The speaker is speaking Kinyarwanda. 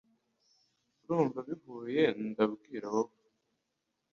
urumva bihuye ndabwira wowe